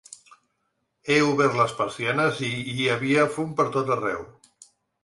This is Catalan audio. He obert les persianes i hi havia fum per tot arreu.